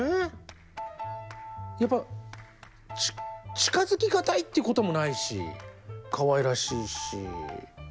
やっぱ近づきがたいということもないしかわいらしいし。